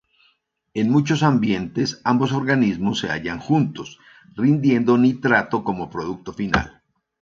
En muchos ambientes ambos organismos se hallan juntos, rindiendo nitrato como producto final.